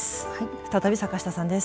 再び坂下さんです。